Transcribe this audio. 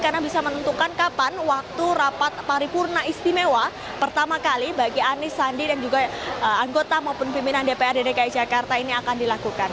karena bisa menentukan kapan waktu rapat paripurna istimewa pertama kali bagi anies sandi dan juga anggota maupun pimpinan dprd dki jakarta ini akan dilakukan